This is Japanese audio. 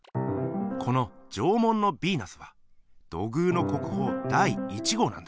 この「縄文のビーナス」は土偶の国宝第１号なんだ！